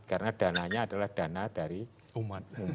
karena dananya adalah dana dari umat